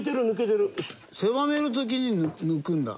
狭める時に抜くんだ。